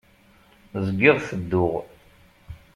Zgiɣ tedduɣ.